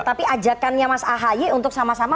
tapi ajakannya mas ahaye untuk sama sama